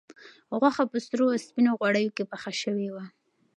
غوښه په سرو او سپینو غوړیو کې پخه شوې وه.